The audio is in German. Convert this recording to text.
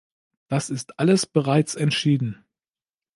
Das ist alles bereits entschieden.